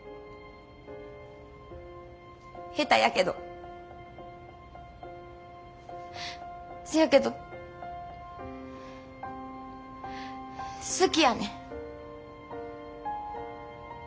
下手やけどせやけど好きやねん。